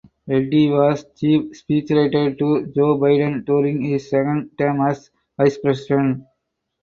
Reddy was chief speechwriter to Joe Biden during his second term as vice president.